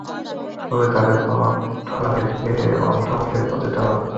ফলে তাদের প্রভাত হল নিজ গৃহে অধঃমুখে পতিত অবস্থায়।